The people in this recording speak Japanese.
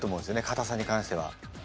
かたさに関しては。